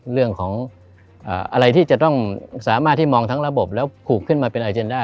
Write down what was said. เรื่องของอะไรที่จะต้องสามารถที่มองทั้งระบบแล้วผูกขึ้นมาเป็นอาเจนได้